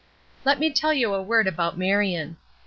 Let me tell you a word about Marion.